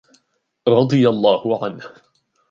رَضِيَ اللَّهُ عَنْهُ